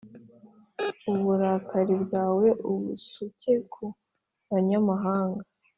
Uburakari bwawe ubusuke ku banyamahanga